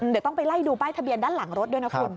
เดี๋ยวต้องไปไล่ดูป้ายทะเบียนด้านหลังรถด้วยนะคุณ